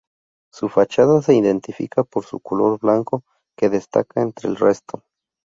Su fachada se identifica por su color blanco, que destaca entre el resto.